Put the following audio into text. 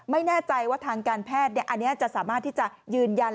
ไม่แน่ใจว่าทางการแพทย์อันนี้จะสามารถที่จะยืนยัน